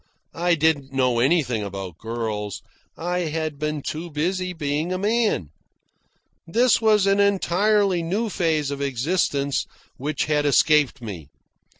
I didn't know anything about girls. I had been too busy being a man. This was an entirely new phase of existence which had escaped me.